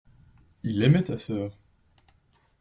Il aimait ta sœur.